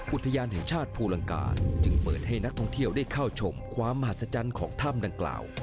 อุทยานแห่งชาติภูลังกาจึงเปิดให้นักท่องเที่ยวได้เข้าชมความมหัศจรรย์ของถ้ำดังกล่าว